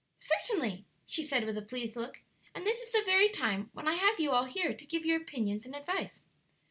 "Certainly," she said, with a pleased look, "and this is the very time, while I have you all here to give your opinions and advice."